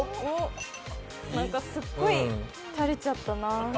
なんかすっごい垂れちゃったな。